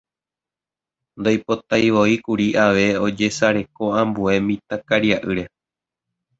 Ndoipotaivoíkuri ave ojesareko ambue mitãkariaʼýre.